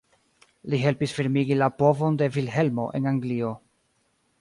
Li helpis firmigi la povon de Vilhelmo en Anglio.